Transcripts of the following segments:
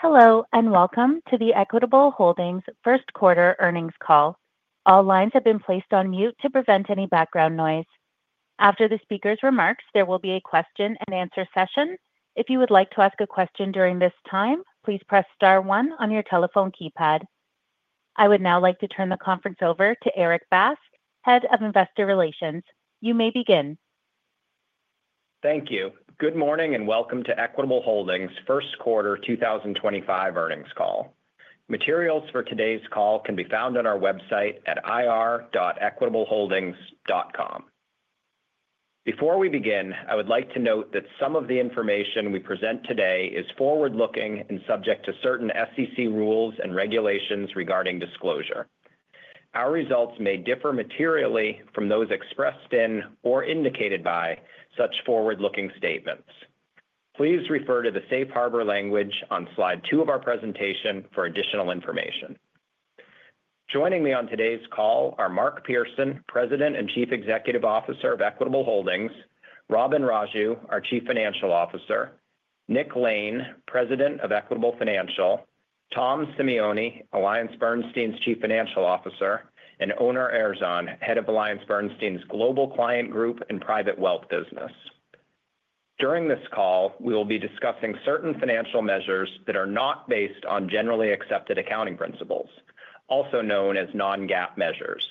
Hello, and Welcome to the Equitable Holdings Q1 Earnings Call. All lines have been placed on mute to prevent any background noise. After the speaker's remarks, there will be a question-and-answer session. If you would like to ask a question during this time, please press star one on your telephone keypad. I would now like to turn the conference over to Erik, Head of Investor Relations. You may begin. Thank you. Good morning, and welcome to Equitable Holdings Q1 2025 Earnings Call. Materials for today's call can be found on our website at ir.equitableholdings.com. Before we begin, I would like to note that some of the information we present today is forward-looking and subject to certain SEC rules and regulations regarding disclosure. Our results may differ materially from those expressed in or indicated by such forward-looking statements. Please refer to the safe harbor language on Slide 2 of our presentation for additional information. Joining me on today's call are Mark Pearson, President and Chief Executive Officer of Equitable Holdings; Robin Raju, our Chief Financial Officer; Nick Lane, President of Equitable Financial; Tom Simeone, AllianceBernstein's Chief Financial Officer; and Onur Erzan, Head of AllianceBernstein's Global Client Group and Private Wealth Business. During this call, we will be discussing certain financial measures that are not based on generally accepted accounting principles, also known as non-GAAP measures.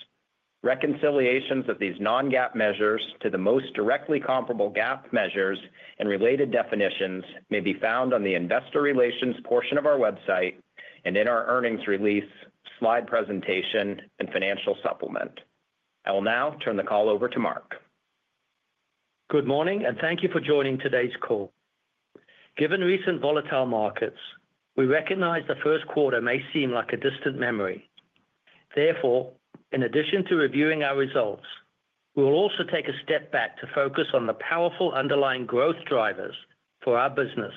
Reconciliations of these non-GAAP measures to the most directly comparable GAAP measures and related definitions may be found on the Investor Relations portion of our website and in our earnings release, slide presentation, and financial supplement. I will now turn the call over to Mark. Good morning, and thank you for joining today's call. Given recent volatile markets, we recognize the Q1 may seem like a distant memory. Therefore, in addition to reviewing our results, we will also take a step back to focus on the powerful underlying growth drivers for our business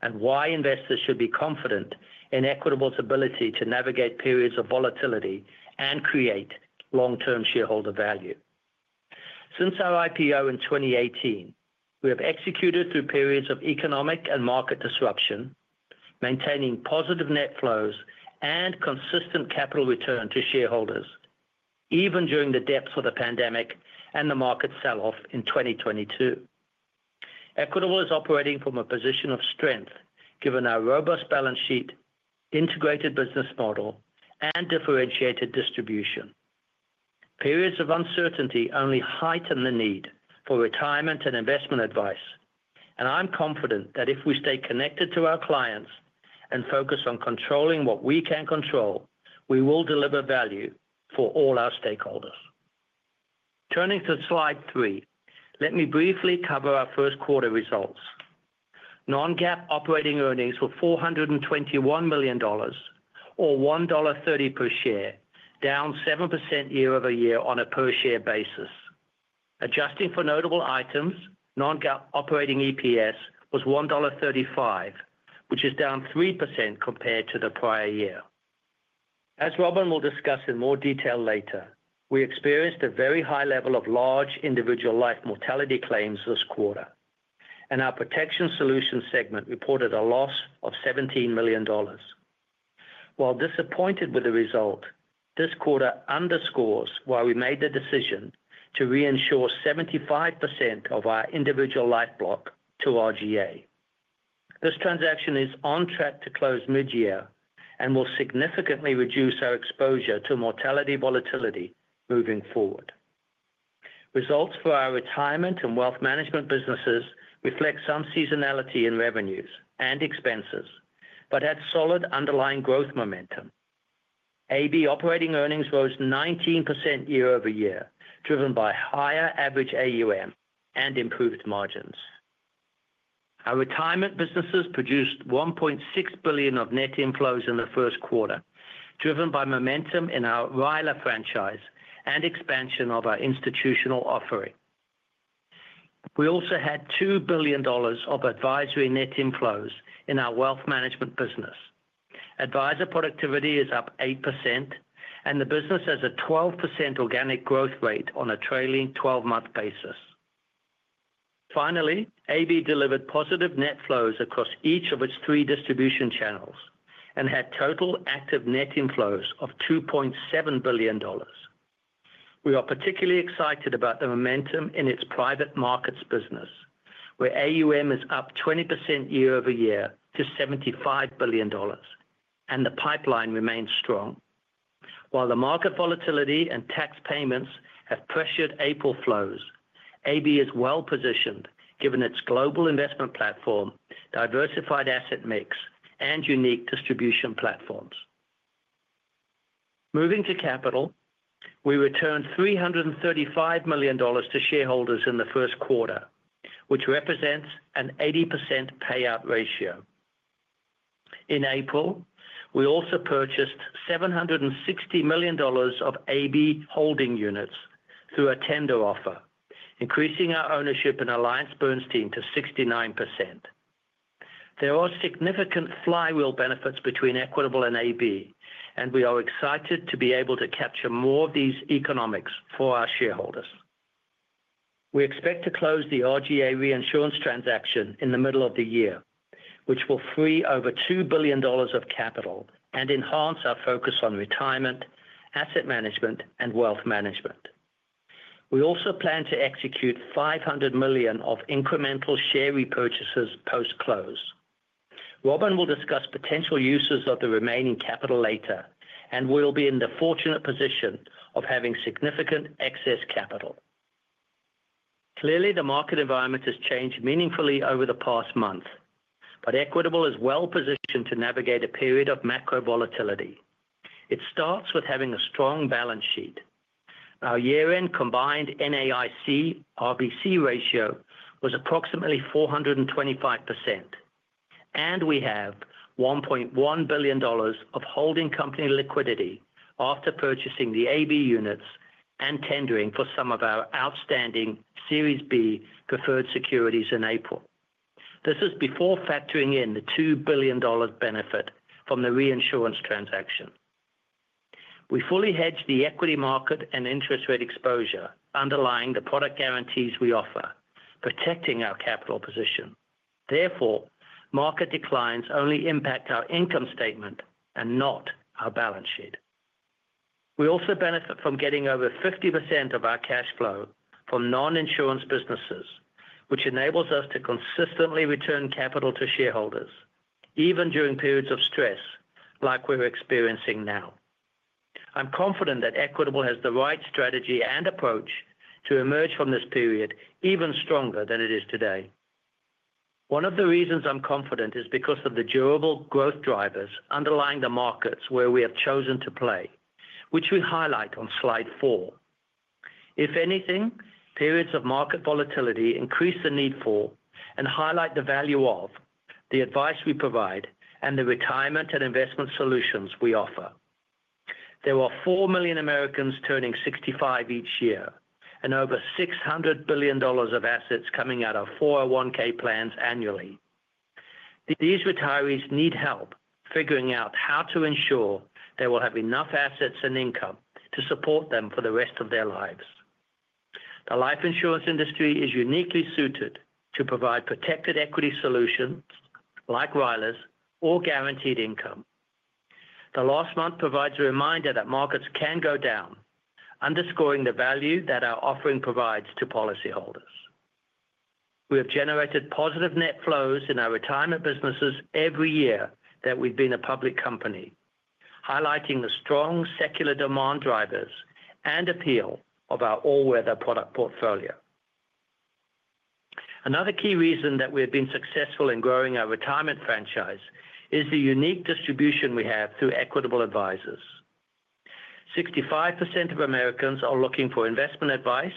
and why investors should be confident in Equitable's ability to navigate periods of volatility and create long-term shareholder value. Since our IPO in 2018, we have executed through periods of economic and market disruption, maintaining positive net flows and consistent capital return to shareholders, even during the depths of the pandemic and the market selloff in 2022. Equitable is operating from a position of strength, given our robust balance sheet, integrated business model, and differentiated distribution. Periods of uncertainty only heighten the need for retirement and investment advice, and I'm confident that if we stay connected to our clients and focus on controlling what we can control, we will deliver value for all our stakeholders. Turning to Slide 3, let me briefly cover our Q1 results. Non-GAAP operating earnings were $421 million, or $1.30 per share, down 7% year-over-year on a per-share basis. Adjusting for notable items, non-GAAP operating EPS was $1.35, which is down 3% compared to the prior year. As Robin will discuss in more detail later, we experienced a very high level of large individual life mortality claims this quarter, and our Protection Solutions segment reported a loss of $17 million. While disappointed with the result, this quarter underscores why we made the decision to reinsure 75% of our individual life block to RGA. This transaction is on track to close mid-year and will significantly reduce our exposure to mortality volatility moving forward. Results for our retirement and Wealth Management businesses reflect some seasonality in revenues and expenses but had solid underlying growth momentum. AB operating earnings rose 19% year-over-year, driven by higher average AUM and improved margins. Our retirement businesses produced $1.6 billion of net inflows in the Q1, driven by momentum in our RILA franchise and expansion of our institutional offering. We also had $2 billion of advisory net inflows in our Wealth Management business. Advisor productivity is up 8%, and the business has a 12% organic growth rate on a trailing 12-month basis. Finally, AB delivered positive net flows across each of its three distribution channels and had total active net inflows of $2.7 billion. We are particularly excited about the momentum in its private markets business, where AUM is up 20% year-over-year to $75 billion, and the pipeline remains strong. While the market volatility and tax payments have pressured April flows, AB is well-positioned given its global investment platform, diversified asset mix, and unique distribution platforms. Moving to capital, we returned $335 million to shareholders in the Q1, which represents an 80% payout ratio. In April, we also purchased $760 million of AB Holding units through a tender offer, increasing our ownership in AllianceBernstein to 69%. There are significant flywheel benefits between Equitable and AB, and we are excited to be able to capture more of these economics for our shareholders. We expect to close the RGA reinsurance transaction in the middle of the year, which will free over $2 billion of capital and enhance our focus on retirement, asset management, and Wealth Management. We also plan to execute $500 million of incremental share repurchases post-close. Robin will discuss potential uses of the remaining capital later, and we'll be in the fortunate position of having significant excess capital. Clearly, the market environment has changed meaningfully over the past month, but Equitable is well-positioned to navigate a period of macro volatility. It starts with having a strong balance sheet. Our year-end combined NAIC-RBC ratio was approximately 425%, and we have $1.1 billion of holding company liquidity after purchasing the AB units and tendering for some of our outstanding Series B preferred securities in April. This is before factoring in the $2 billion benefit from the reinsurance transaction. We fully hedge the equity market and interest rate exposure underlying the product guarantees we offer, protecting our capital position. Therefore, market declines only impact our income statement and not our balance sheet. We also benefit from getting over 50% of our cash flow from non-insurance businesses, which enables us to consistently return capital to shareholders, even during periods of stress like we're experiencing now. I'm confident that Equitable has the right strategy and approach to emerge from this period even stronger than it is today. One of the reasons I'm confident is because of the durable growth drivers underlying the markets where we have chosen to play, which we highlight on Slide 4. If anything, periods of market volatility increase the need for and highlight the value of the advice we provide and the retirement and investment solutions we offer. There are 4 million Americans turning 65 each year and over $600 billion of assets coming out of 401(k) plans annually. These retirees need help figuring out how to ensure they will have enough assets and income to support them for the rest of their lives. The life insurance industry is uniquely suited to provide protected equity solutions like RILAs or guaranteed income. The last month provides a reminder that markets can go down, underscoring the value that our offering provides to policyholders. We have generated positive net flows in our retirement businesses every year that we've been a public company, highlighting the strong secular demand drivers and appeal of our all-weather product portfolio. Another key reason that we have been successful in growing our retirement franchise is the unique distribution we have through Equitable Advisors. 65% of Americans are looking for investment advice,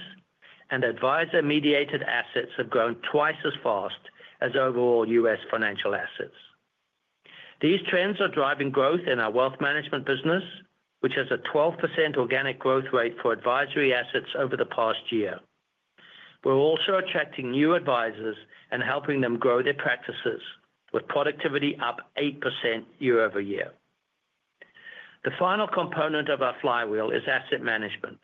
and advisor-mediated assets have grown twice as fast as overall U.S. financial assets. These trends are driving growth in our Wealth Management business, which has a 12% organic growth rate for advisory assets over the past year. We're also attracting new advisors and helping them grow their practices, with productivity up 8% year-over-year. The final component of our flywheel is asset management,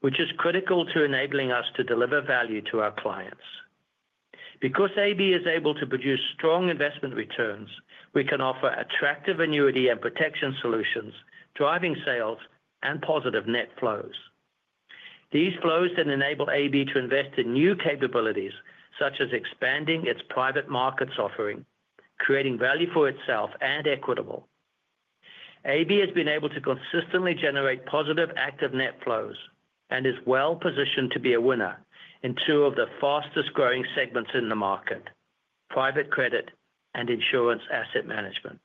which is critical to enabling us to deliver value to our clients. Because AB is able to produce strong investment returns, we can offer attractive annuity and protection solutions, driving sales and positive net flows. These flows then enable AB to invest in new capabilities, such as expanding its private markets offering, creating value for itself and Equitable. AB has been able to consistently generate positive active net flows and is well-positioned to be a winner in two of the fastest-growing segments in the market, private credit and insurance asset management.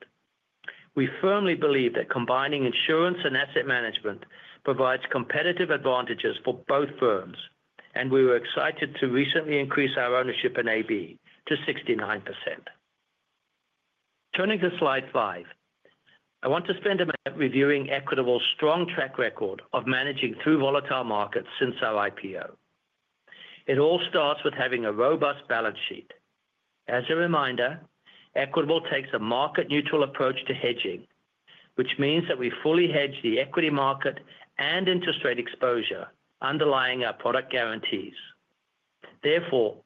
We firmly believe that combining insurance and asset management provides competitive advantages for both firms, and we were excited to recently increase our ownership in AB to 69%. Turning to Slide 5, I want to spend a minute reviewing Equitable's strong track record of managing through volatile markets since our IPO. It all starts with having a robust balance sheet. As a reminder, Equitable takes a market-neutral approach to hedging, which means that we fully hedge the equity market and interest rate exposure underlying our product guarantees. Therefore,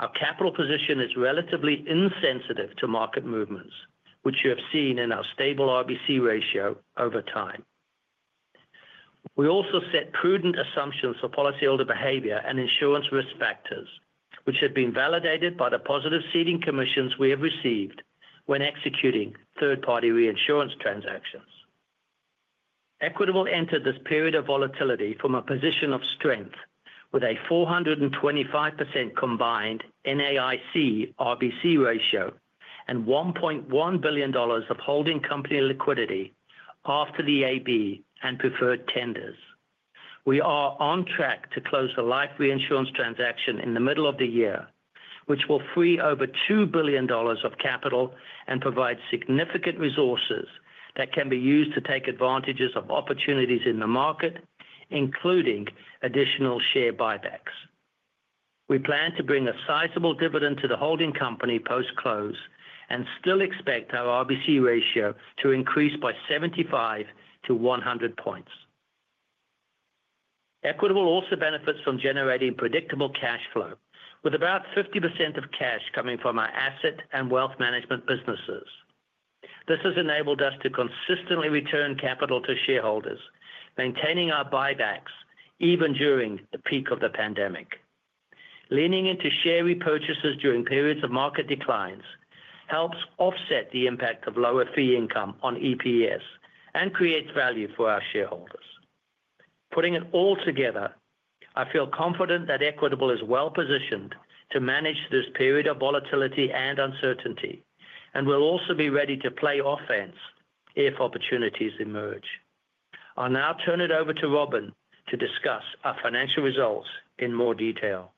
our capital position is relatively insensitive to market movements, which you have seen in our stable RBC ratio over time. We also set prudent assumptions for policyholder behavior and insurance risk factors, which have been validated by the positive ceding commissions we have received when executing third-party reinsurance transactions. Equitable entered this period of volatility from a position of strength with a 425% combined NAIC-RBC ratio and $1.1 billion of holding company liquidity after the AB and preferred tenders. We are on track to close the life reinsurance transaction in the middle of the year, which will free over $2 billion of capital and provide significant resources that can be used to take advantages of opportunities in the market, including additional share buybacks. We plan to bring a sizable dividend to the holding company post-close and still expect our RBC ratio to increase by 75 to 100 points. Equitable also benefits from generating predictable cash flow, with about 50% of cash coming from our asset and Wealth Management businesses. This has enabled us to consistently return capital to shareholders, maintaining our buybacks even during the peak of the pandemic. Leaning into share repurchases during periods of market declines helps offset the impact of lower fee income on EPS and creates value for our shareholders. Putting it all together, I feel confident that Equitable is well-positioned to manage this period of volatility and uncertainty and will also be ready to play offense if opportunities emerge. I'll now turn it over to Robin to discuss our financial results in more detail.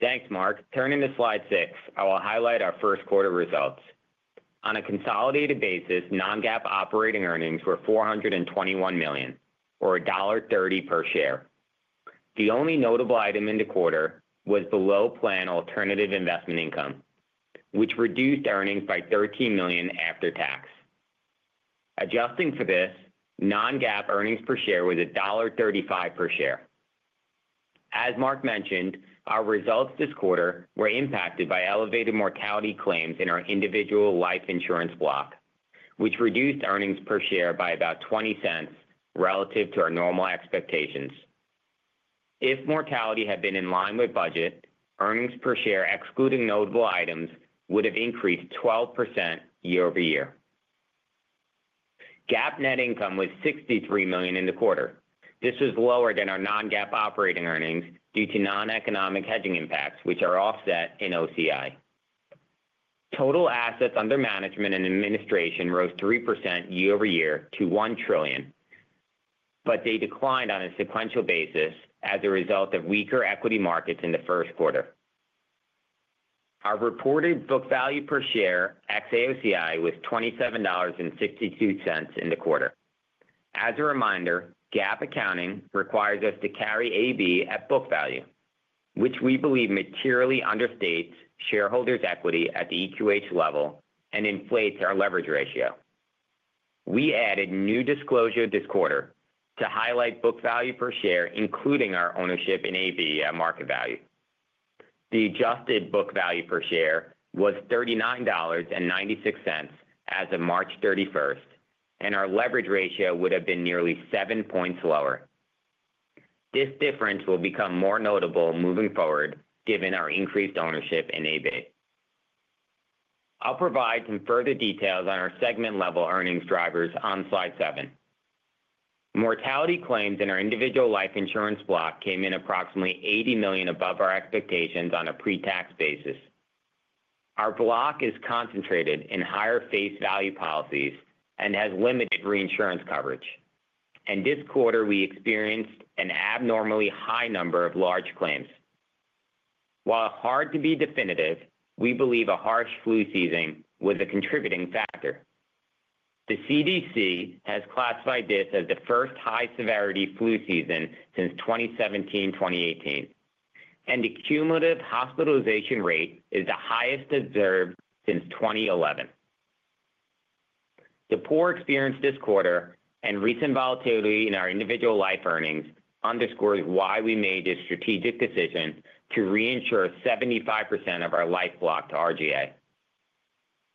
Thanks, Mark. Turning to Slide 6, I will highlight our Q1 results. On a consolidated basis, non-GAAP operating earnings were $421 million, or $1.30 per share. The only notable item in the quarter was below planned alternative investment income, which reduced earnings by $13 million after tax. Adjusting for this, non-GAAP earnings per share was $1.35 per share. As Mark mentioned, our results this quarter were impacted by elevated mortality claims in our individual life insurance block, which reduced earnings per share by about $0.20 relative to our normal expectations. If mortality had been in line with budget, earnings per share excluding notable items would have increased 12% year-over-year. GAAP net income was $63 million in the quarter. This was lower than our non-GAAP operating earnings due to non-economic hedging impacts, which are offset in OCI. Total assets under management and administration rose 3% year-over-year to $1 trillion, but they declined on a sequential basis as a result of weaker equity markets in the Q1. Our reported book value per share at OCI was $27.62 in the quarter. As a reminder, GAAP accounting requires us to carry AB at book value, which we believe materially understates shareholders' equity at the EQH level and inflates our leverage ratio. We added new disclosure this quarter to highlight book value per share, including our ownership in AB at market value. The adjusted book value per share was $39.96 as of March 31, and our leverage ratio would have been nearly 7 percentage points lower. This difference will become more notable moving forward, given our increased ownership in AB. I'll provide some further details on our segment-level earnings drivers on Slide 7. Mortality claims in our individual life insurance block came in approximately $80 million above our expectations on a pre-tax basis. Our block is concentrated in higher face value policies and has limited reinsurance coverage. This quarter, we experienced an abnormally high number of large claims. While hard to be definitive, we believe a harsh flu season was a contributing factor. The CDC has classified this as the first high severity flu season since 2017-2018, and the cumulative hospitalization rate is the highest observed since 2011. The poor experience this quarter and recent volatility in our individual life earnings underscores why we made a strategic decision to reinsure 75% of our life block to RGA.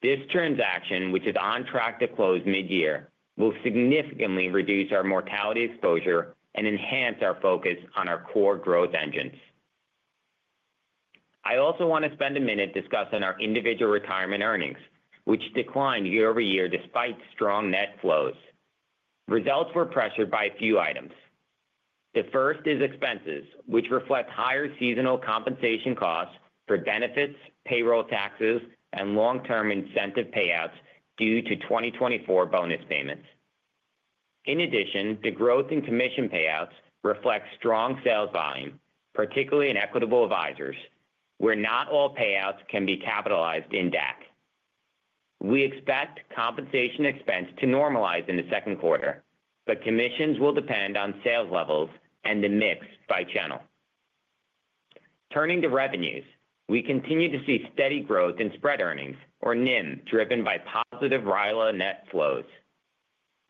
This transaction, which is on track to close mid-year, will significantly reduce our mortality exposure and enhance our focus on our core growth engines. I also want to spend a minute discussing our Individual Retirement earnings, which declined year-over-year despite strong net flows. Results were pressured by a few items. The first is expenses, which reflect higher seasonal compensation costs for benefits, payroll taxes, and long-term incentive payouts due to 2024 bonus payments. In addition, the growth in commission payouts reflects strong sales volume, particularly in Equitable Advisors, where not all payouts can be capitalized in DAC. We expect compensation expense to normalize in the Q2, but commissions will depend on sales levels and the mix by channel. Turning to revenues, we continue to see steady growth in spread earnings, or NIM, driven by positive RILA net flows.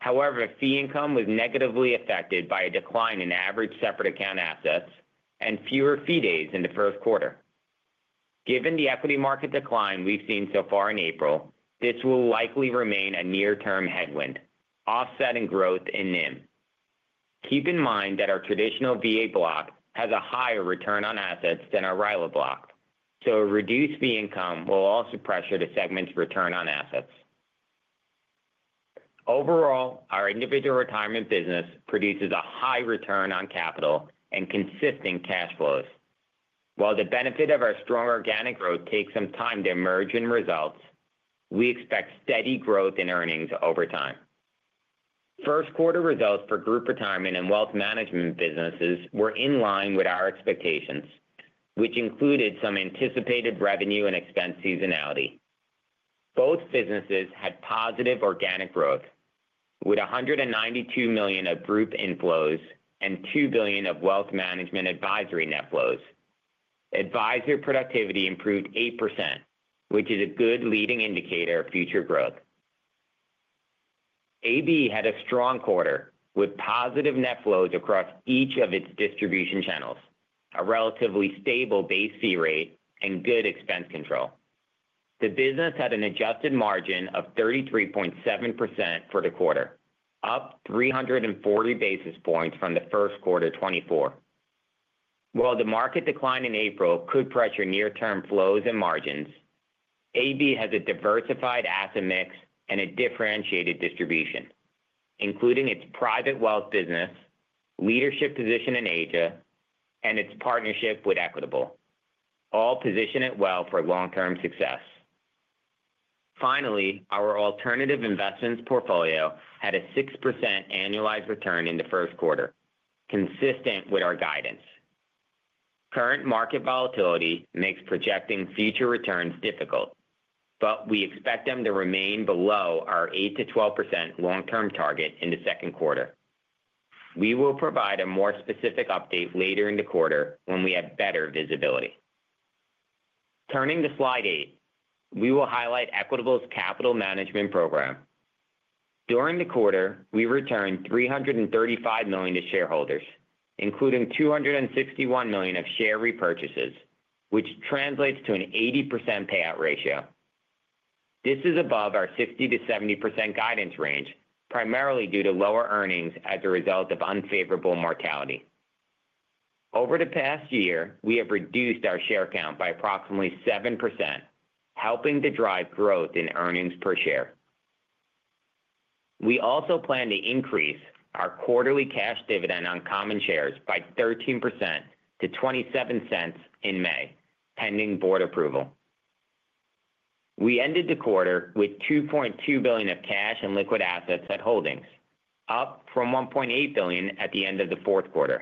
However, fee income was negatively affected by a decline in average separate account assets and fewer fee days in the Q1. Given the equity market decline we've seen so far in April, this will likely remain a near-term headwind, offsetting growth in NIM. Keep in mind that our traditional VA block has a higher return on assets than our RILA block, so a reduced fee income will also pressure the segment's return on assets. Overall, our Individual Retirement business produces a high return on capital and consistent cash flows. While the benefit of our strong organic growth takes some time to emerge in results, we expect steady growth in earnings over time. First quarter results for Group Retirement and Wealth Management businesses were in line with our expectations, which included some anticipated revenue and expense seasonality. Both businesses had positive organic growth, with $192 million of group inflows and $2 billion of Wealth Management advisory net flows. Advisor productivity improved 8%, which is a good leading indicator of future growth. AB had a strong quarter with positive net flows across each of its distribution channels, a relatively stable base fee rate, and good expense control. The business had an adjusted margin of 33.7% for the quarter, up 340 basis points from the Q1 2024. While the market decline in April could pressure near-term flows and margins, AB has a diversified asset mix and a differentiated distribution, including its private wealth business, leadership position in Asia, and its partnership with Equitable, all positioned well for long-term success. Finally, our alternative investments portfolio had a 6% annualized return in the Q1, consistent with our guidance. Current market volatility makes projecting future returns difficult, but we expect them to remain below our 8-12% long-term target in the Q2. We will provide a more specific update later in the quarter when we have better visibility. Turning to Slide 8, we will highlight Equitable's capital management program. During the quarter, we returned $335 million to shareholders, including $261 million of share repurchases, which translates to an 80% payout ratio. This is above our 60-70% guidance range, primarily due to lower earnings as a result of unfavorable mortality. Over the past year, we have reduced our share count by approximately 7%, helping to drive growth in earnings per share. We also plan to increase our quarterly cash dividend on common shares by 13% to $0.27 in May, pending board approval. We ended the quarter with $2.2 billion of cash and liquid assets at holdings, up from $1.8 billion at the end of the Q4.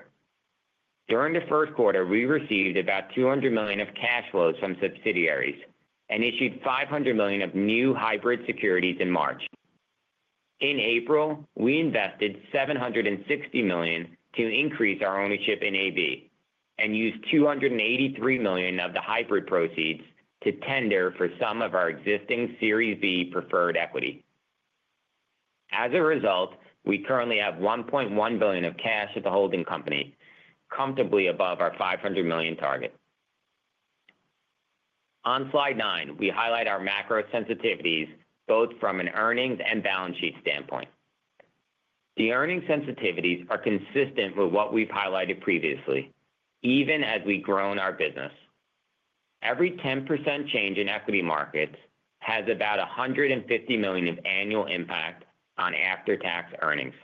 During the Q1, we received about $200 million of cash flows from subsidiaries and issued $500 million of new hybrid securities in March. In April, we invested $760 million to increase our ownership in AB and used $283 million of the hybrid proceeds to tender for some of our existing Series B preferred equity. As a result, we currently have $1.1 billion of cash at the holding company, comfortably above our $500 million target. On Slide 9, we highlight our macro sensitivities, both from an earnings and balance sheet standpoint. The earnings sensitivities are consistent with what we've highlighted previously, even as we've grown our business. Every 10% change in equity markets has about $150 million of annual impact on after-tax earnings.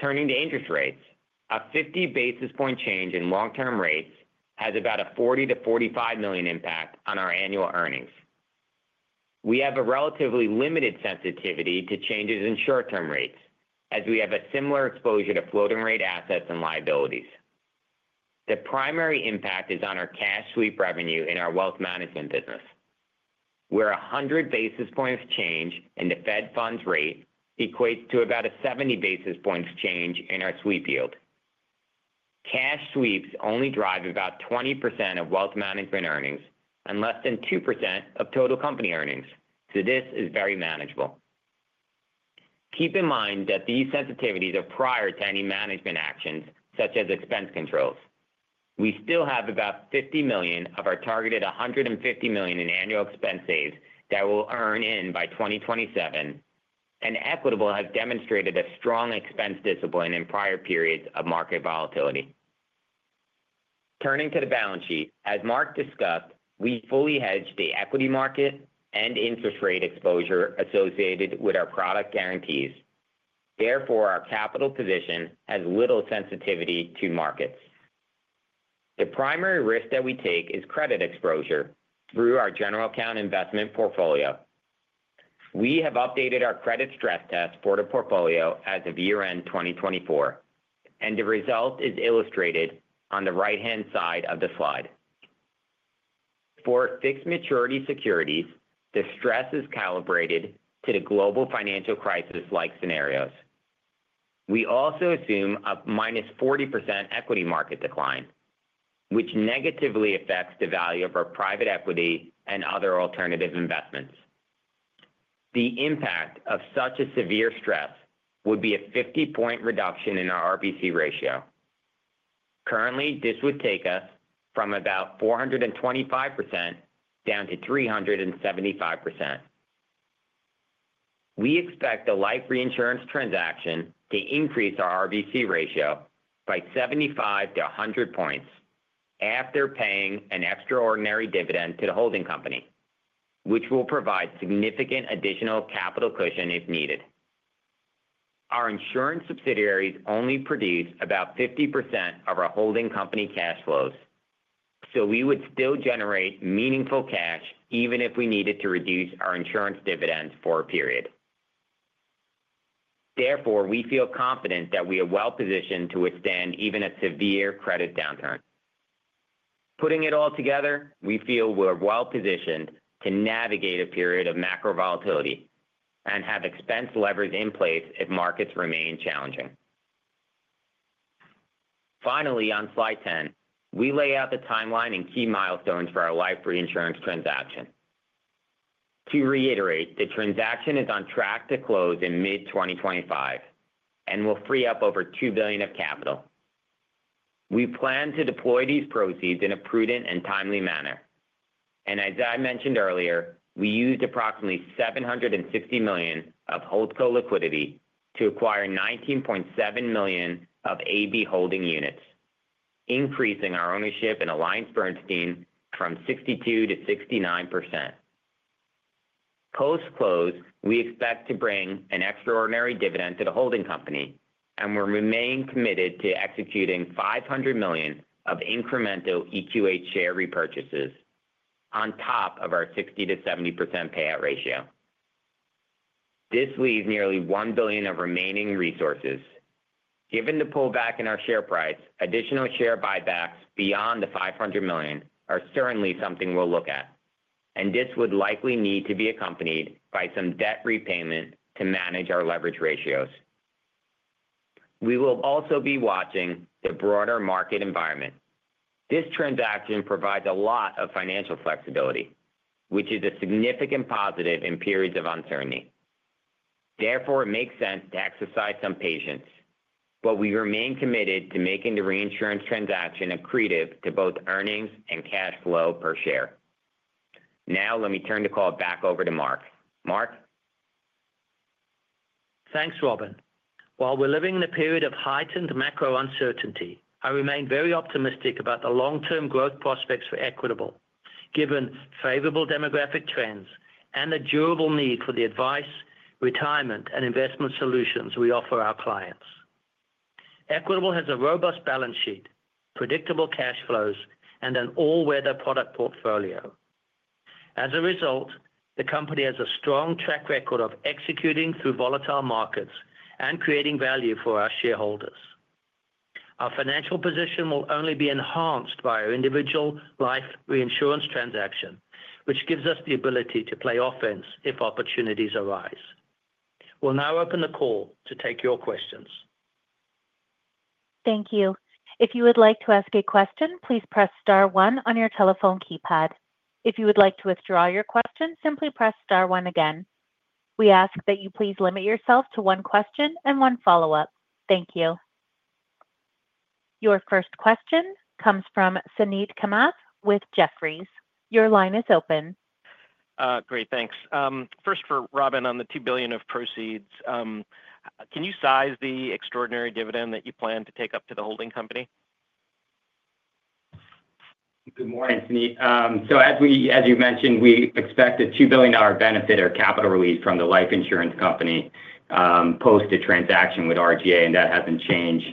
Turning to interest rates, a 50 basis point change in long-term rates has about a $40-$45 million impact on our annual earnings. We have a relatively limited sensitivity to changes in short-term rates, as we have a similar exposure to floating rate assets and liabilities. The primary impact is on our cash sweep revenue in our Wealth Management business, where 100 basis points change in the Fed funds rate equates to about a 70 basis points change in our sweep yield. Cash sweeps only drive about 20% of Wealth Management earnings and less than 2% of total company earnings, so this is very manageable. Keep in mind that these sensitivities are prior to any management actions, such as expense controls. We still have about $50 million of our targeted $150 million in annual expense saves that will earn in by 2027, and Equitable has demonstrated a strong expense discipline in prior periods of market volatility. Turning to the balance sheet, as Mark discussed, we fully hedged the equity market and interest rate exposure associated with our product guarantees. Therefore, our capital position has little sensitivity to markets. The primary risk that we take is credit exposure through our general account investment portfolio. We have updated our credit stress test for the portfolio as of year-end 2024, and the result is illustrated on the right-hand side of the slide. For fixed maturity securities, the stress is calibrated to the Global Financial Crisis-like scenarios. We also assume a minus 40% equity market decline, which negatively affects the value of our private equity and other alternative investments. The impact of such a severe stress would be a 50-point reduction in our RBC ratio. Currently, this would take us from about 425% down to 375%. We expect the life reinsurance transaction to increase our RBC ratio by 75-100 points after paying an extraordinary dividend to the holding company, which will provide significant additional capital cushion if needed. Our insurance subsidiaries only produce about 50% of our holding company cash flows, so we would still generate meaningful cash even if we needed to reduce our insurance dividends for a period. Therefore, we feel confident that we are well-positioned to withstand even a severe credit downturn. Putting it all together, we feel we are well-positioned to navigate a period of macro volatility and have expense levers in place if markets remain challenging. Finally, on Slide 10, we lay out the timeline and key milestones for our life reinsurance transaction. To reiterate, the transaction is on track to close in mid-2025 and will free up over $2 billion of capital. We plan to deploy these proceeds in a prudent and timely manner. As I mentioned earlier, we used approximately $760 million of Holdco liquidity to acquire 19.7 million of AB Holding units, increasing our ownership in AllianceBernstein from 62% to 69%. Post-close, we expect to bring an extraordinary dividend to the holding company, and we remain committed to executing $500 million of incremental EQH share repurchases on top of our 60-70% payout ratio. This leaves nearly $1 billion of remaining resources. Given the pullback in our share price, additional share buybacks beyond the $500 million are certainly something we'll look at, and this would likely need to be accompanied by some debt repayment to manage our leverage ratios. We will also be watching the broader market environment. This transaction provides a lot of financial flexibility, which is a significant positive in periods of uncertainty. Therefore, it makes sense to exercise some patience, but we remain committed to making the reinsurance transaction accretive to both earnings and cash flow per share. Now, let me turn the call back over to Mark. Mark? Thanks, Robin. While we're living in a period of heightened macro uncertainty, I remain very optimistic about the long-term growth prospects for Equitable, given favorable demographic trends and the durable need for the advice, retirement, and investment solutions we offer our clients. Equitable has a robust balance sheet, predictable cash flows, and an all-weather product portfolio. As a result, the company has a strong track record of executing through volatile markets and creating value for our shareholders. Our financial position will only be enhanced by our individual life reinsurance transaction, which gives us the ability to play offense if opportunities arise. We'll now open the call to take your questions. Thank you. If you would like to ask a question, please press star one on your telephone keypad. If you would like to withdraw your question, simply press star one again. We ask that you please limit yourself to one question and one follow-up. Thank you. Your first question comes from Suneet Kamath with Jefferies. Your line is open. Great. Thanks. First, for Robin on the $2 billion of proceeds, can you size the extraordinary dividend that you plan to take up to the holding company? Good morning, Suneet. As you mentioned, we expect a $2 billion benefit or capital release from the life insurance company post-transaction with RGA, and that has not changed.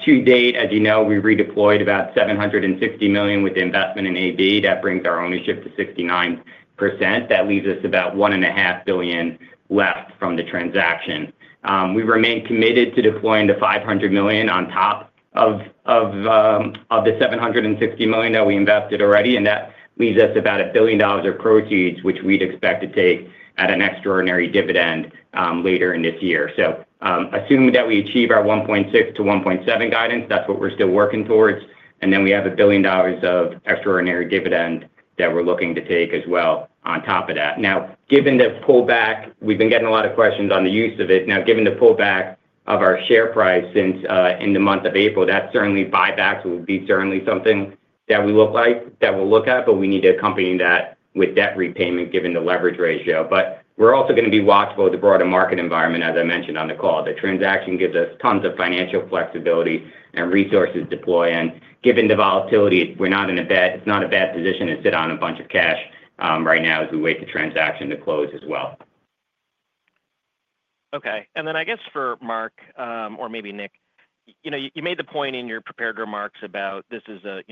To date, as you know, we redeployed about $760 million with the investment in AB. That brings our ownership to 69%. That leaves us about $1.5 billion left from the transaction. We remain committed to deploying the $500 million on top of the $760 million that we invested already, and that leaves us about $1 billion of proceeds, which we'd expect to take at an extraordinary dividend later in this year. Assuming that we achieve our 1.6-1.7 guidance, that's what we're still working towards, and then we have $1 billion of extraordinary dividend that we're looking to take as well on top of that. Now, given the pullback, we've been getting a lot of questions on the use of it. Given the pullback of our share price in the month of April, certainly buybacks will be certainly something that we look at, but we need to accompany that with debt repayment given the leverage ratio. We are also going to be watchful of the broader market environment, as I mentioned on the call. The transaction gives us tons of financial flexibility and resources to deploy. Given the volatility, we are not in a bad position to sit on a bunch of cash right now as we wait for the transaction to close as well. Okay. I guess for Mark, or maybe Nick, you made the point in your prepared remarks about this is a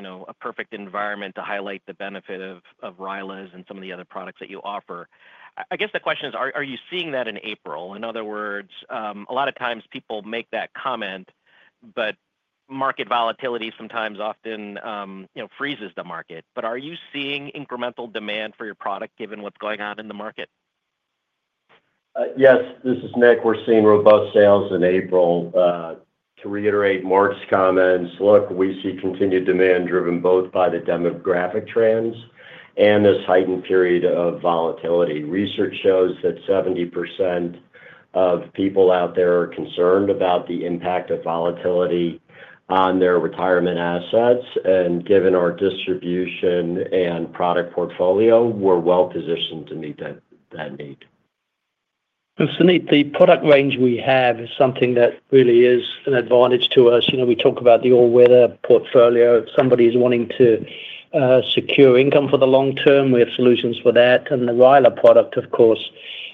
perfect environment to highlight the benefit of RILAs and some of the other products that you offer. I guess the question is, are you seeing that in April? In other words, a lot of times people make that comment, but market volatility sometimes often freezes the market. Are you seeing incremental demand for your product given what is going on in the market? Yes. This is Nick. We're seeing robust sales in April. To reiterate Mark's comments, look, we see continued demand driven both by the demographic trends and this heightened period of volatility. Research shows that 70% of people out there are concerned about the impact of volatility on their retirement assets. Given our distribution and product portfolio, we're well-positioned to meet that need. Suneet, the product range we have is something that really is an advantage to us. We talk about the all-weather portfolio. If somebody is wanting to secure income for the long term, we have solutions for that. The RILAs product, of course,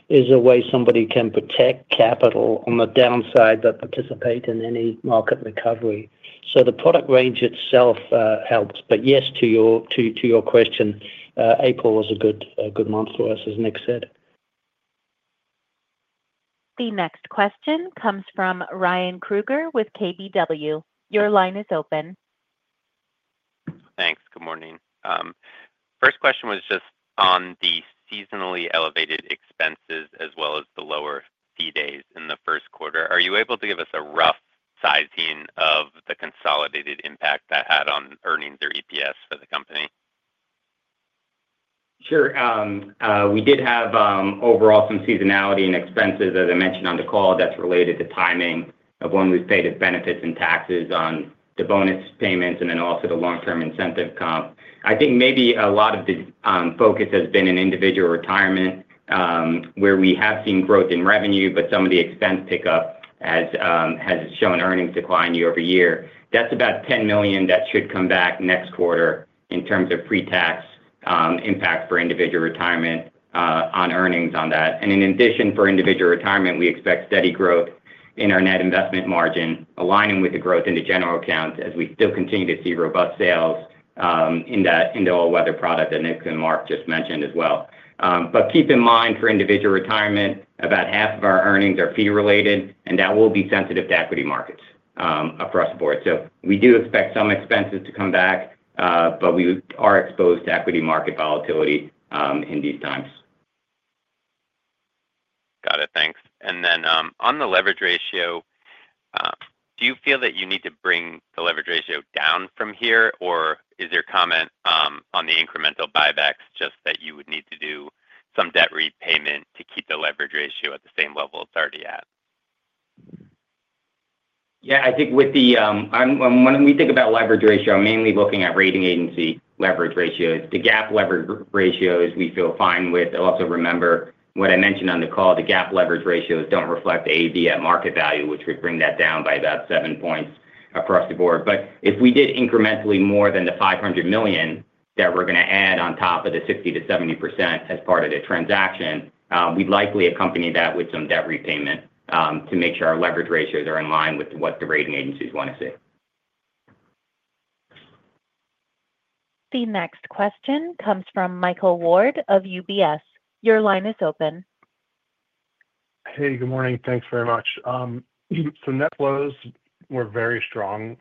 is a way somebody can protect capital on the downside that participates in any market recovery. The product range itself helps. Yes, to your question, April was a good month for us, as Nick said. The next question comes from Ryan Krueger with KBW.Your line is open. Thanks. Good morning. First question was just on the seasonally elevated expenses as well as the lower fee days in the Q1. Are you able to give us a rough sizing of the consolidated impact that had on earnings or EPS for the company? Sure. We did have overall some seasonality in expenses, as I mentioned on the call, that's related to timing of when we've paid the benefits and taxes on the bonus payments and then also the long-term incentive comp. I think maybe a lot of the focus has been in Individual Retirement, where we have seen growth in revenue, but some of the expense pickup has shown earnings decline year-over-year. That's about $10 million that should come back next quarter in terms of pre-tax impact for Individual Retirement on earnings on that. In addition, for Individual Retirement, we expect steady growth in our net investment margin, aligning with the growth in the general account as we still continue to see robust sales in the all-weather product that Nick and Mark just mentioned as well. Keep in mind, for Individual Retirement, about half of our earnings are fee-related, and that will be sensitive to equity markets across the board. We do expect some expenses to come back, but we are exposed to equity market volatility in these times. Got it. Thanks. On the leverage ratio, do you feel that you need to bring the leverage ratio down from here, or is your comment on the incremental buybacks just that you would need to do some debt repayment to keep the leverage ratio at the same level it's already at? Yeah. I think when we think about leverage ratio, I'm mainly looking at rating agency leverage ratios. The GAAP leverage ratios we feel fine with. Also, remember what I mentioned on the call, the GAAP leverage ratios do not reflect AB at market value, which would bring that down by about seven points across the board. If we did incrementally more than the $500 million that we're going to add on top of the 60-70% as part of the transaction, we'd likely accompany that with some debt repayment to make sure our leverage ratios are in line with what the rating agencies want to see. The next question comes from Michael Ward of UBS. Your line is open. Hey, good morning. Thanks very much. Net flows were very strong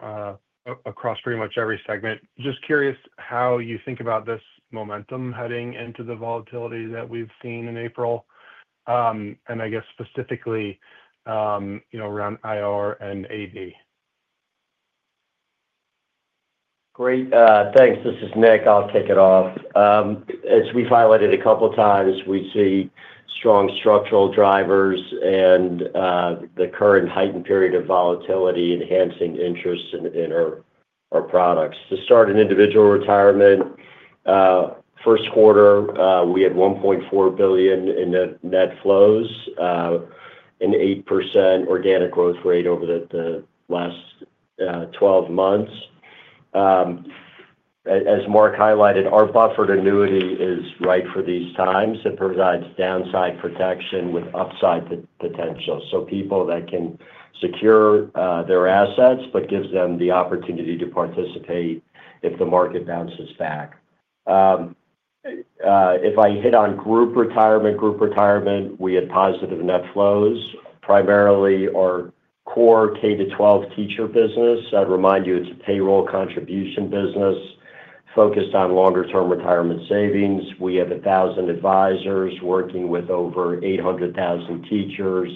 across pretty much every segment. Just curious how you think about this momentum heading into the volatility that we've seen in April, and I guess specifically around IR and AB. Great. Thanks. This is Nick. I'll kick it off. As we've highlighted a couple of times, we see strong structural drivers and the current heightened period of volatility enhancing interest in our products. To start an Individual Retirement, Q1, we had $1.4 billion in net flows and 8% organic growth rate over the last 12 months. As Mark highlighted, our buffered annuity is right for these times. It provides downside protection with upside potential. People can secure their assets but gives them the opportunity to participate if the market bounces back. If I hit on Group Retirement, Group Retirement, we had positive net flows. Primarily, our core K-12 teacher business, I'd remind you it's a payroll contribution business focused on longer-term retirement savings. We have 1,000 advisors working with over 800,000 teachers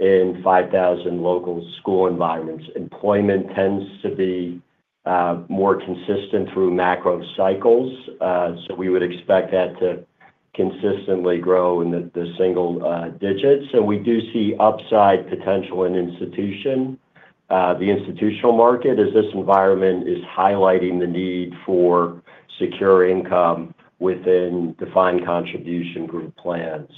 in 5,000 local school environments. Employment tends to be more consistent through macro cycles, so we would expect that to consistently grow in the single digits. We do see upside potential in institution. The institutional market in this environment is highlighting the need for secure income within defined contribution group plans.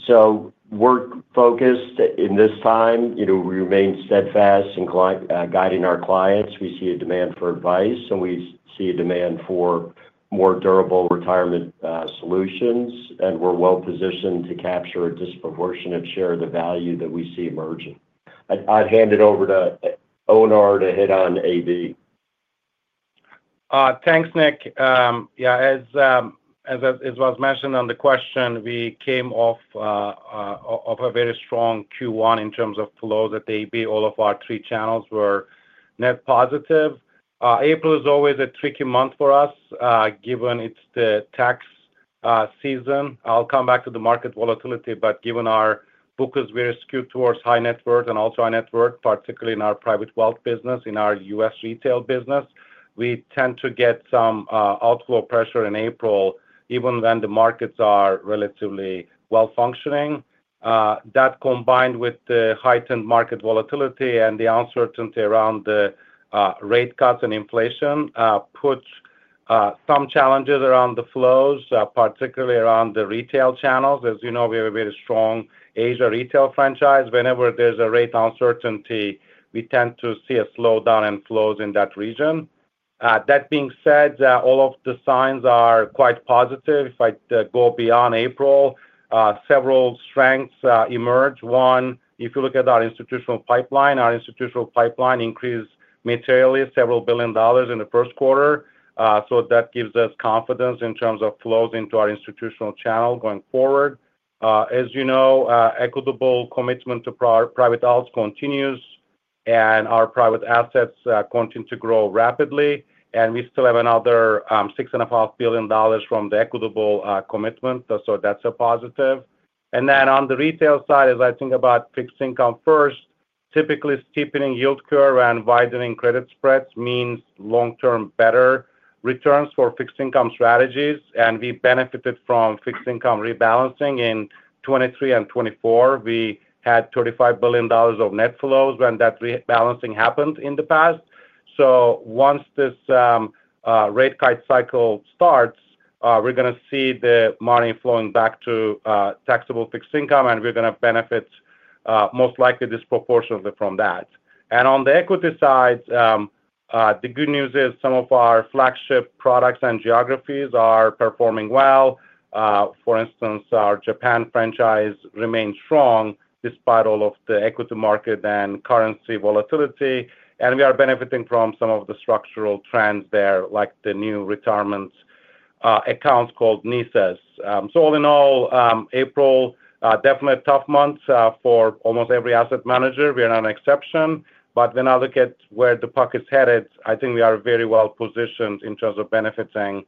We are focused in this time. We remain steadfast in guiding our clients. We see a demand for advice, and we see a demand for more durable retirement solutions, and we're well-positioned to capture a disproportionate share of the value that we see emerging. I'd hand it over to Onur Erzan to hit on AB. Thanks, Nick. Yeah. As was mentioned on the question, we came off of a very strong Q1 in terms of flows at AB. All of our three channels were net positive. April is always a tricky month for us given it's the tax season. I'll come back to the market volatility, but given our book is very skewed towards high net worth and ultra high net worth, particularly in our private wealth business, in our U.S. retail business, we tend to get some outflow pressure in April, even when the markets are relatively well-functioning. That combined with the heightened market volatility and the uncertainty around the rate cuts and inflation puts some challenges around the flows, particularly around the retail channels. As you know, we have a very strong Asia retail franchise. Whenever there's a rate uncertainty, we tend to see a slowdown in flows in that region. That being said, all of the signs are quite positive. If I go beyond April, several strengths emerge. One, if you look at our institutional pipeline, our institutional pipeline increased materially several billion dollars in the Q1. That gives us confidence in terms of flows into our institutional channel going forward. As you know, Equitable's commitment to private wealth continues, and our private assets continue to grow rapidly. We still have another $6.5 billion from the Equitable commitment, so that is a positive. On the retail side, as I think about fixed income first, typically steepening yield curve and widening credit spreads means long-term better returns for fixed income strategies, and we benefited from fixed income rebalancing in 2023 and 2024. We had $35 billion of net flows when that rebalancing happened in the past. Once this rate cut cycle starts, we're going to see the money flowing taxable fixed income, and we're going to benefit most likely disproportionately from that. On the equity side, the good news is some of our flagship products and geographies are performing well. For instance, our Japan franchise remains strong despite all of the equity market and currency volatility. We are benefiting from some of the structural trends there, like the new retirement accounts called NISAs. All in all, April, definitely a tough month for almost every asset manager. We're not an exception. When I look at where the puck is headed, I think we are very well-positioned in terms of benefiting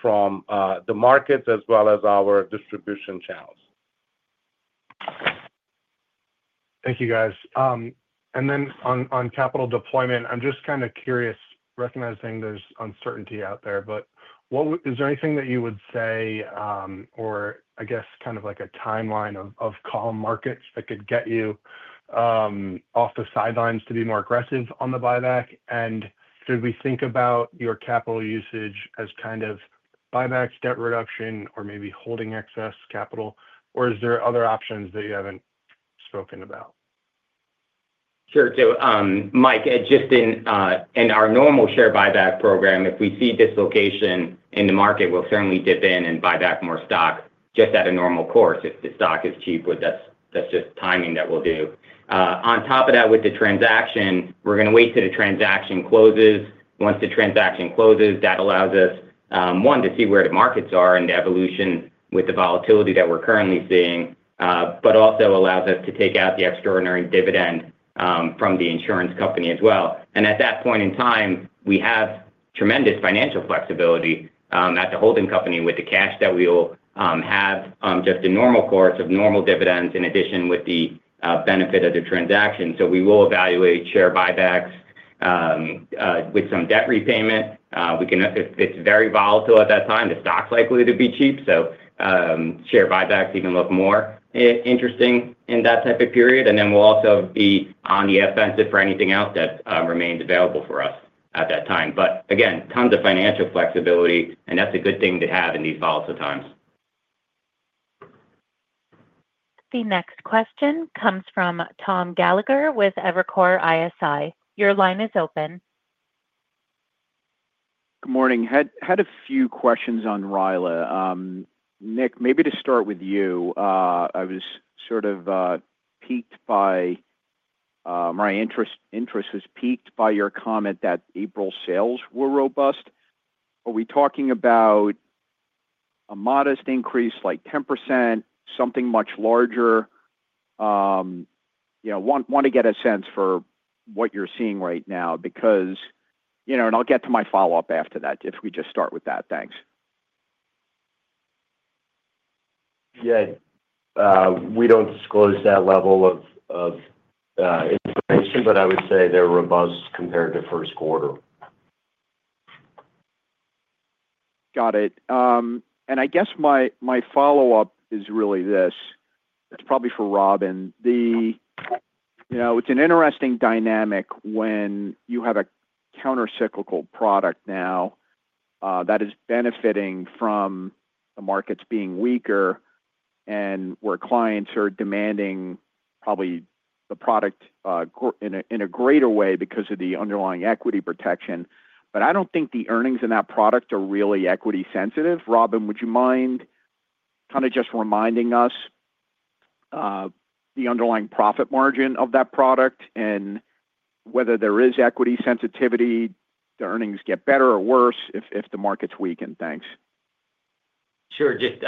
from the markets as well as our distribution channels. Thank you, guys. On capital deployment, I'm just kind of curious, recognizing there's uncertainty out there, but is there anything that you would say or, I guess, kind of like a timeline of call markets that could get you off the sidelines to be more aggressive on the buyback? Should we think about your capital usage as kind of buybacks, debt reduction, or maybe holding excess capital? Or is there other options that you haven't spoken about? Sure. Mike, just in our normal share buyback program, if we see dislocation in the market, we'll certainly dip in and buy back more stock just at a normal course. If the stock is cheaper, that's just timing that we'll do. On top of that, with the transaction, we're going to wait till the transaction closes. Once the transaction closes, that allows us, one, to see where the markets are and the evolution with the volatility that we're currently seeing, but also allows us to take out the extraordinary dividend from the insurance company as well. At that point in time, we have tremendous financial flexibility at the holding company with the cash that we'll have just in normal course of normal dividends in addition with the benefit of the transaction. We will evaluate share buybacks with some debt repayment. If it's very volatile at that time, the stock's likely to be cheap, so share buybacks even look more interesting in that type of period. We will also be on the offensive for anything else that remains available for us at that time. Again, tons of financial flexibility, and that's a good thing to have in these volatile times. The next question comes from Tom Gallagher with Evercore ISI. Your line is open. Good morning. Had a few questions on RILAs. Nick, maybe to start with you, I was sort of, my interest was piqued by your comment that April's sales were robust. Are we talking about a modest increase like 10%, something much larger? Want to get a sense for what you're seeing right now because, and I'll get to my follow-up after that if we just start with that. Thanks. Yeah. We do not disclose that level of information, but I would say they are robust compared to Q1. Got it. I guess my follow-up is really this. It is probably for Robin. It's an interesting dynamic when you have a countercyclical product now that is benefiting from the markets being weaker and where clients are demanding probably the product in a greater way because of the underlying equity protection. I don't think the earnings in that product are really equity sensitive. Robin, would you mind kind of just reminding us the underlying profit margin of that product and whether there is equity sensitivity, the earnings get better or worse if the markets weaken? Thanks. Sure. Just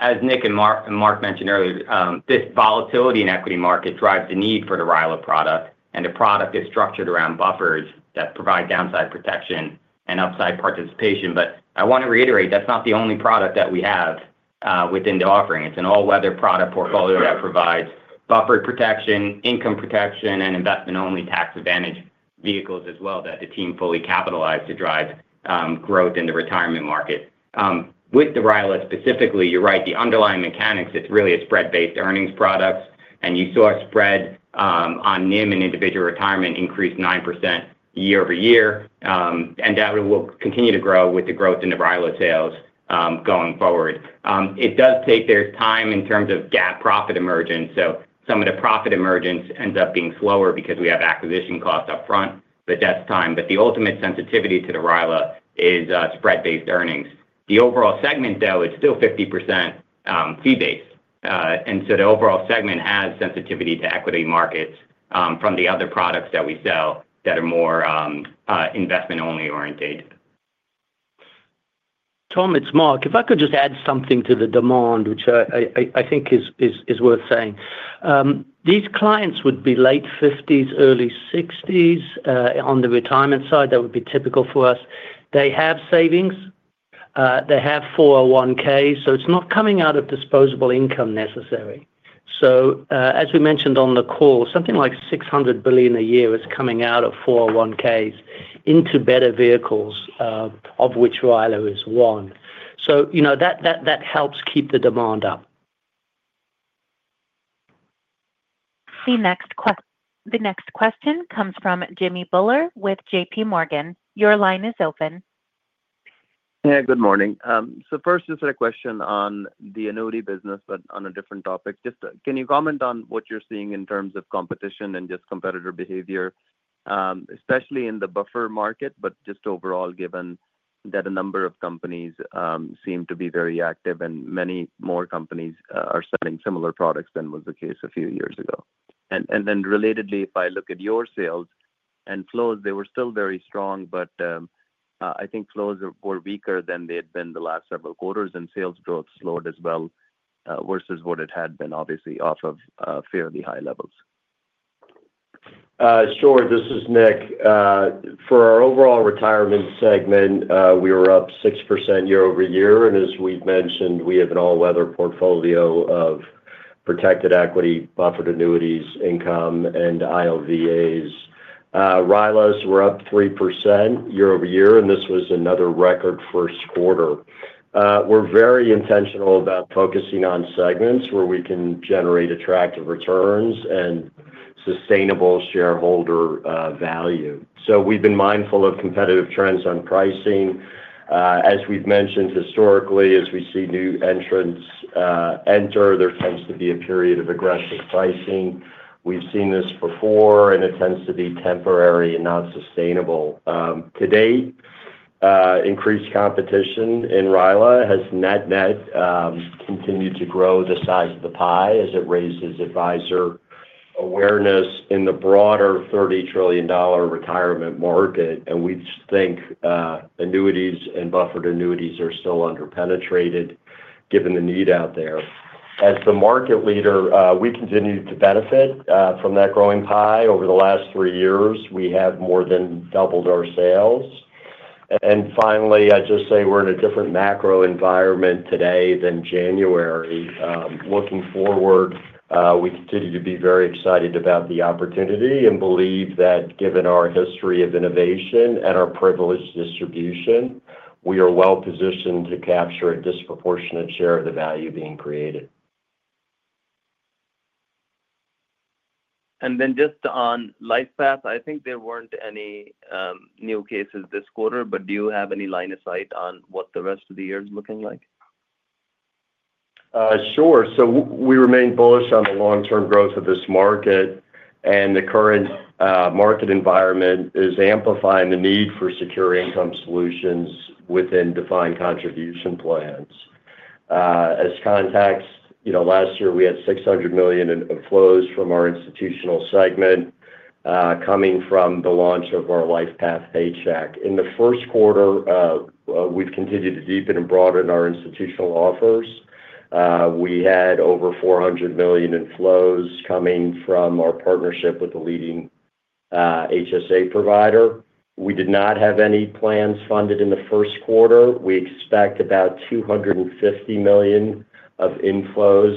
as Nick and Mark mentioned earlier, this volatility in equity markets drives the need for the RILAs product. The product is structured around buffers that provide downside protection and upside participation. I want to reiterate, that's not the only product that we have within the offering. It's an all-weather product portfolio that provides buffered protection, income protection, and investment-only tax-advantaged vehicles as well that the team fully capitalized to drive growth in the retirement market. With the RILAs specifically, you're right, the underlying mechanics, it's really a spread-based earnings product. You saw a spread on NIM and Individual Retirement increase 9% year-over-year. That will continue to grow with the growth in the RILAs sales going forward. It does take their time in terms of GAAP profit emergence. Some of the profit emergence ends up being slower because we have acquisition costs upfront, but that's time. The ultimate sensitivity to the RILAs is spread-based earnings. The overall segment, though, it's still 50% fee-based. The overall segment has sensitivity to equity markets from the other products that we sell that are more investment-only orientated. Tom, it's Mark. If I could just add something to the demand, which I think is worth saying. These clients would be late 50s, early 60s on the retirement side that would be typical for us. They have savings. They have 401(k)s. So it's not coming out of disposable income necessarily. As we mentioned on the call, something like $600 billion a year is coming out of 401(k)s into better vehicles, of which RILAs is one. That helps keep the demand up. The next question comes from Jimmy Bhullar with JPMorgan. Your line is open. Yeah. Good morning. First, just a question on the annuity business, but on a different topic. Just can you comment on what you're seeing in terms of competition and just competitor behavior, especially in the buffer market, but just overall given that a number of companies seem to be very active and many more companies are selling similar products than was the case a few years ago. Relatedly, if I look at your sales and flows, they were still very strong, but I think flows were weaker than they had been the last several quarters, and sales growth slowed as well versus what it had been, obviously, off of fairly high levels. Sure. This is Nick. For our overall Retirement segment, we were up 6% year-over-year. As we've mentioned, we have an all-weather portfolio of protected equity, buffered annuities, income, and ILVAs. RILAs were up 3% year-over-year, and this was another record Q1 are very intentional about focusing on segments where we can generate attractive returns and sustainable shareholder value. We have been mindful of competitive trends on pricing. As we have mentioned historically, as we see new entrants enter, there tends to be a period of aggressive pricing. We have seen this before, and it tends to be temporary and not sustainable. To date, increased competition in RILAs has net-net continued to grow the size of the pie as it raises advisor awareness in the broader $30 trillion retirement market. We think annuities and buffered annuities are still underpenetrated given the need out there. As the market leader, we continue to benefit from that growing pie. Over the last three years, we have more than doubled our sales. Finally, I would just say we are in a different macro environment today than January. Looking forward, we continue to be very excited about the opportunity and believe that given our history of innovation and our privileged distribution, we are well-positioned to capture a disproportionate share of the value being created. Just on LifePath, I think there were not any new cases this quarter, but do you have any line of sight on what the rest of the year is looking like? Sure. We remain bullish on the long-term growth of this market, and the current market environment is amplifying the need for secure income solutions within defined contribution plans. As context, last year, we had $600 million of flows from our institutional segment coming from the launch of our LifePath Paycheck. In the Q1, we have continued to deepen and broaden our institutional offers. We had over $400 million in flows coming from our partnership with the leading HSA provider. We did not have any plans funded in the Q1. We expect about $250 million of inflows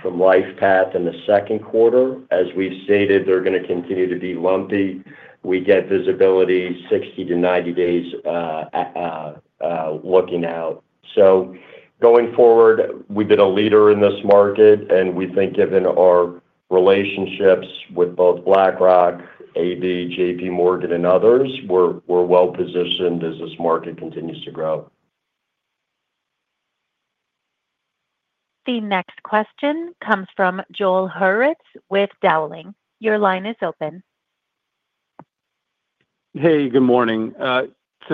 from LifePath in the Q2. As we've stated, they're going to continue to be lumpy. We get visibility 60 to 90 days looking out. Going forward, we've been a leader in this market, and we think given our relationships with both BlackRock, AB, JPMorgan, and others, we're well-positioned as this market continues to grow. The next question comes from Joel Hurwitz with Dowling. Your line is open. Hey, good morning.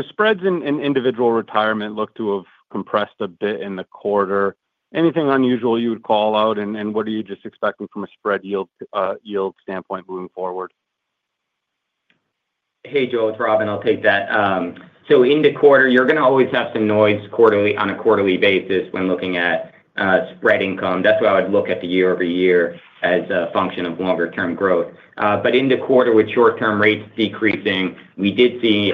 Spreads in Individual Retirement look to have compressed a bit in the quarter. Anything unusual you would call out, and what are you just expecting from a spread yield standpoint moving forward? Hey, Joel. It's Robin. I'll take that. In the quarter, you're going to always have some noise on a quarterly basis when looking at spread income. That's why I would look at the year-over-year as a function of longer-term growth. In the quarter, with short-term rates decreasing, we did see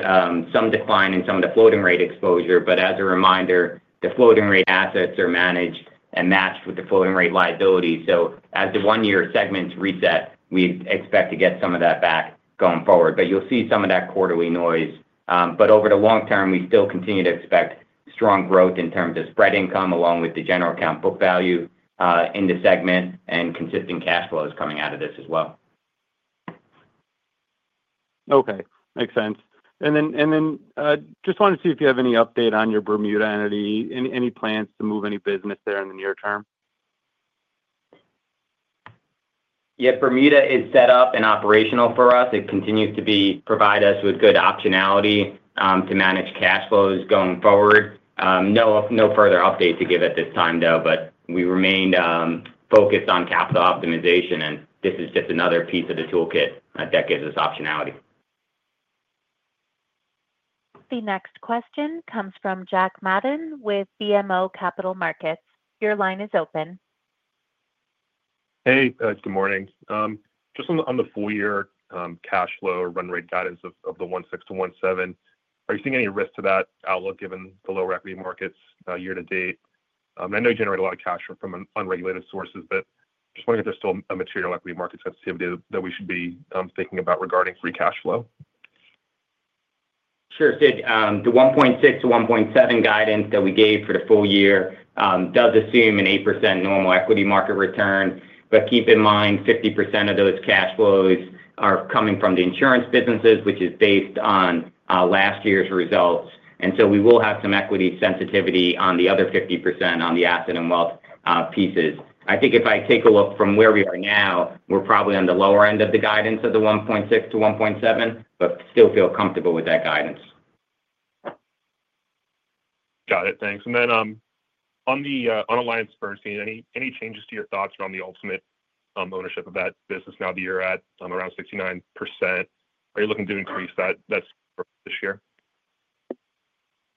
some decline in some of the floating rate exposure. As a reminder, the floating rate assets are managed and matched with the floating rate liability. As the one-year segments reset, we expect to get some of that back going forward. You'll see some of that quarterly noise. Over the long term, we still continue to expect strong growth in terms of spread income along with the general account book value in the segment and consistent cash flows coming out of this as well. Okay. Makes sense. I just wanted to see if you have any update on your Bermuda entity. Any plans to move any business there in the near term? Yep. Bermuda is set up and operational for us. It continues to provide us with good optionality to manage cash flows going forward. No further update to give at this time, though, but we remain focused on capital optimization, and this is just another piece of the toolkit that gives us optionality. The next question comes from Jack Madden with BMO Capital Markets. Your line is open. Hey, good morning. Just on the full-year cash flow run rate guidance of the 1.6-1.7, are you seeing any risk to that outlook given the lower equity markets year to date? I know you generate a lot of cash from unregulated sources, but just wondering if there's still a material equity market sensitivity that we should be thinking about regarding free cash flow. Sure. The 1.6-1.7 guidance that we gave for the full year does assume an 8% normal equity market return. Keep in mind, 50% of those cash flows are coming from the insurance businesses, which is based on last year's results. We will have some equity sensitivity on the other 50% on the asset and wealth pieces. I think if I take a look from where we are now, we're probably on the lower end of the guidance of the 1.6-1.7, but still feel comfortable with that guidance. Got it. Thanks. On AllianceBernstein, any changes to your thoughts around the ultimate ownership of that business now that you're at around 69%? Are you looking to increase that this year?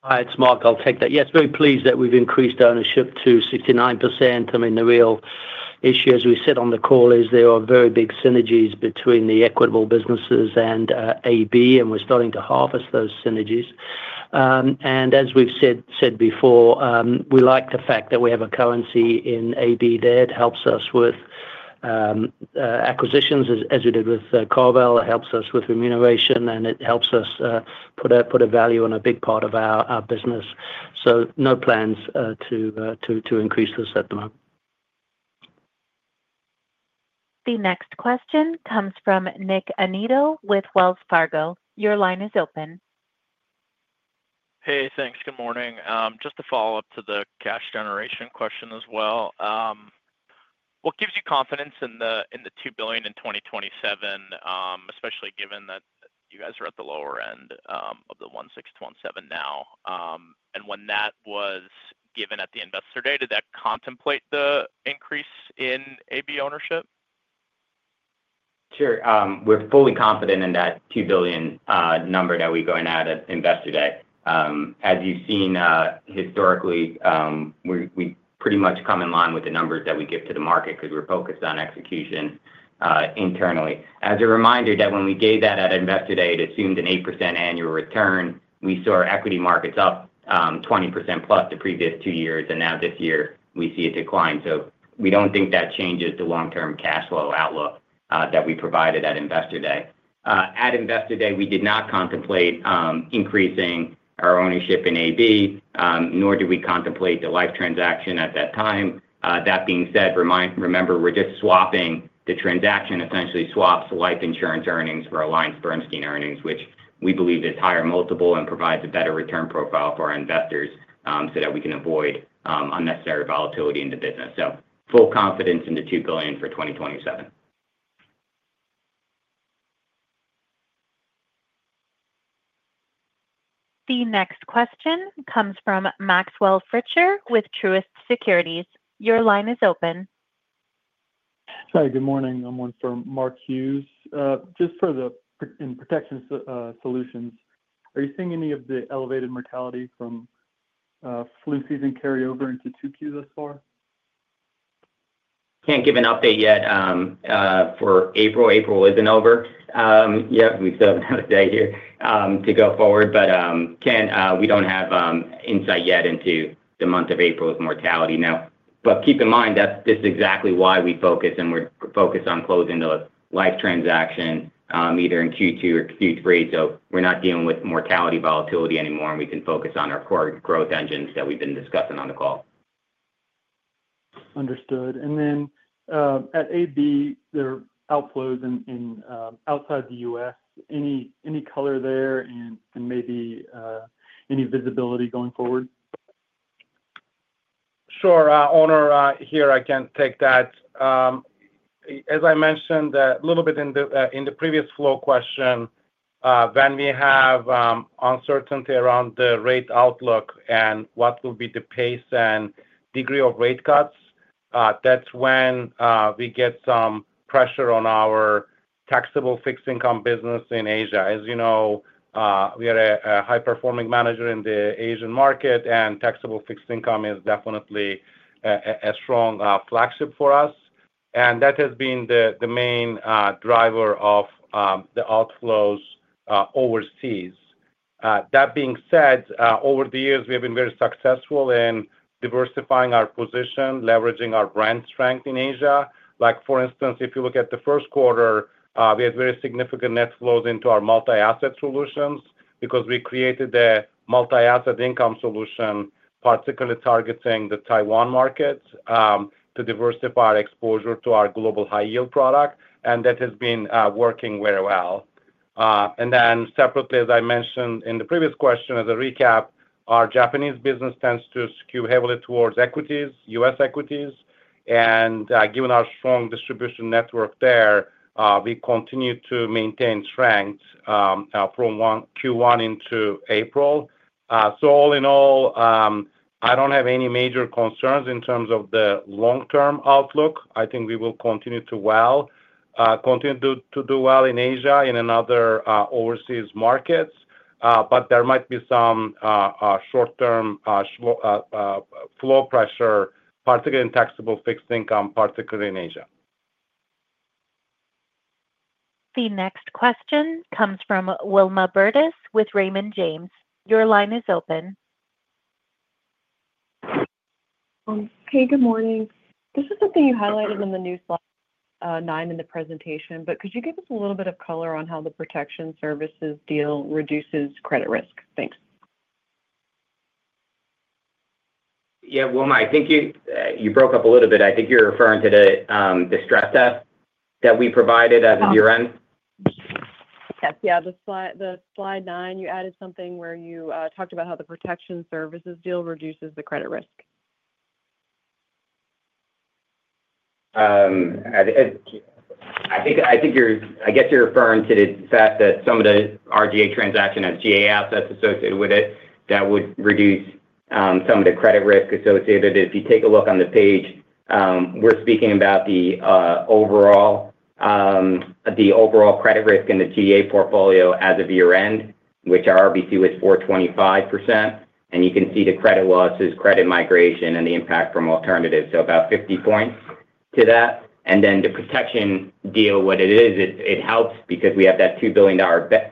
It's Mark. I'll take that. Yes, very pleased that we've increased ownership to 69%. The real issue as we sit on the call is there are very big synergies between the Equitable businesses and AB, and we're starting to harvest those synergies. As we've said before, we like the fact that we have a currency in AB there. It helps us with acquisitions as we did with CarVal. It helps us with remuneration, and it helps us put a value on a big part of our business. No plans to increase this at the moment. The next question comes from Nick Annino with Wells Fargo. Your line is open. Hey, thanks. Good morning. Just to follow up to the cash generation question as well. What gives you confidence in the $2 billion in 2027, especially given that you guys are at the lower end of the 1.6-1.7 now? When that was given at the Investor Day, did that contemplate the increase in AB ownership? Sure. We're fully confident in that $2 billion number that we gave out at Investor Day. As you've seen historically, we pretty much come in line with the numbers that we give to the market because we're focused on execution internally. As a reminder, when we gave that at Investor Day, it assumed an 8% annual return. We saw our equity markets up 20% plus the previous two years, and now this year, we see a decline. We don't think that changes the long-term cash flow outlook that we provided at Investor Day. At Investor Day, we did not contemplate increasing our ownership in AB, nor did we contemplate the life transaction at that time. That being said, remember, we're just swapping the transaction essentially swaps life insurance earnings for AllianceBernstein earnings, which we believe is higher multiple and provides a better return profile for our investors so that we can avoid unnecessary volatility in the business. Full confidence in the $2 billion for 2027. The next question comes from Maxwell Fritscher with Truist Securities. Your line is open. Hi, good morning. I'm on for Mark Hughes. Just for the Protection Solutions, are you seeing any of the elevated mortality from flu season carryover into 2Q this fall? Can't give an update yet for April. April isn't over yet. We still have another day here to go forward. Again, we don't have insight yet into the month of April's mortality now. Keep in mind, that's exactly why we focus, and we're focused on closing those life transactions either in Q2 or Q3. We are not dealing with mortality volatility anymore, and we can focus on our core growth engines that we've been discussing on the call. Understood. At AB, there are outflows outside the U.S. Any color there and maybe any visibility going forward? Sure. Onur here, I can take that. As I mentioned a little bit in the previous flow question, when we have uncertainty around the rate outlook and what will be the pace and degree of rate cuts, that's when we get some pressure taxable fixed income business in Asia. As you know, we are a high-performing manager in the Asian taxable fixed income is definitely a strong flagship for us. That has been the main driver of the outflows overseas. That being said, over the years, we have been very successful in diversifying our position, leveraging our brand strength in Asia. For instance, if you look at the Q1, we had very significant net flows into our Multi-Asset Solutions because we created a multi-asset income solution, particularly targeting the Taiwan market to diversify our exposure to our Global High-Yield product, and that has been working very well. Separately, as I mentioned in the previous question, as a recap, our Japanese business tends to skew heavily towards equities, U.S. equities. Given our strong distribution network there, we continue to maintain strength from Q1 into April. All in all, I do not have any major concerns in terms of the long-term outlook. I think we will continue to do well in Asia, in other overseas markets, but there might be some short-term flow pressure, taxable fixed income, particularly in Asia. The next question comes from Wilma Burdis with Raymond James. Your line is open. Hey, good morning. This is something you highlighted in the new Slide 9 in the presentation, but could you give us a little bit of color on how the protection services deal reduces credit risk? Thanks. Yeah, Wilma, I think you broke up a little bit. I think you're referring to the stress test that we provided as a year-end. Yes. Yeah. The Slide 9, you added something where you talked about how the protection services deal reduces the credit risk. I think you're referring to the fact that some of the RGA transaction and GA assets associated with it that would reduce some of the credit risk associated. If you take a look on the page, we're speaking about the overall credit risk in the GA portfolio as of year-end, which our RBC was 425%. You can see the credit losses, credit migration, and the impact from alternatives. About 50 points to that. The protection deal, what it is, it helps because we have that $2 billion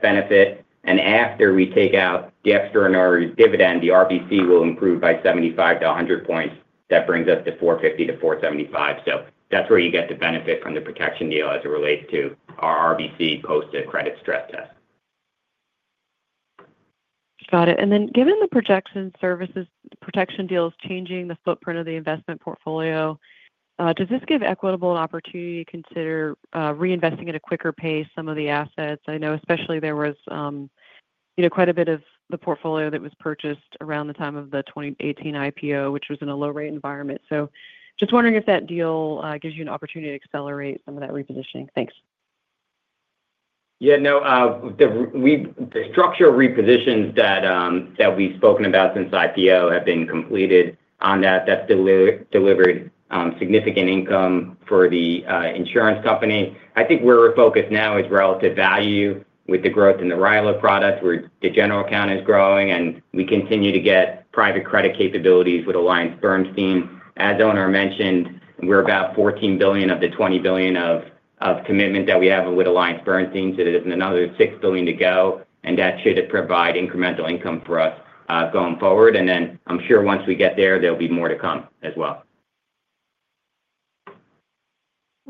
benefit. After we take out the extraordinary dividend, the RBC will improve by 75 to 100 points. That brings us to 450-475. That is where you get the benefit from the protection deal as it relates to our RBC posted credit stress test. Got it. Given the Protection Solutions deal is changing the footprint of the investment portfolio, does this give Equitable an opportunity to consider reinvesting at a quicker pace some of the assets? I know especially there was quite a bit of the portfolio that was purchased around the time of the 2018 IPO, which was in a low-rate environment. Just wondering if that deal gives you an opportunity to accelerate some of that repositioning. Thanks. Yeah. No. The structure of repositions that we've spoken about since IPO have been completed on that. That's delivered significant income for the insurance company. I think where we're focused now is relative value with the growth in the RILA product where the general account is growing, and we continue to get private credit capabilities with AllianceBernstein. As Onur mentioned, we're about $14 billion of the $20 billion of commitment that we have with AllianceBernstein. So there's another $6 billion to go, and that should provide incremental income for us going forward. I'm sure once we get there, there'll be more to come as well.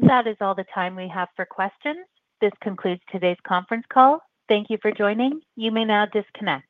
That is all the time we have for questions. This concludes today's conference call. Thank you for joining. You may now disconnect.